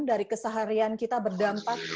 dari keseharian kita berdampak